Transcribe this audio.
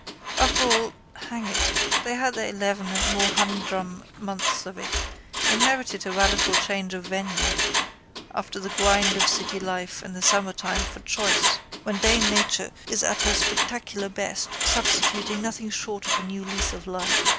After all, hang it, they had their eleven and more humdrum months of it and merited a radical change of venue after the grind of city life in the summertime for choice when dame Nature is at her spectacular best constituting nothing short of a new lease of life.